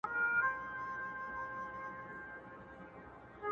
• کار و بار وي د غزلو کښت و کار وي د غزلو,